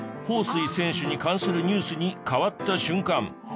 彭帥選手に関するニュースに変わった瞬間